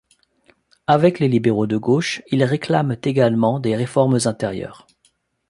Avec les libéraux de gauche, ils réclament également des réformes intérieures.